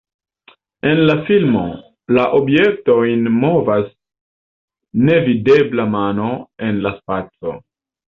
En la filmo, la objektojn movas nevidebla mano en la spaco.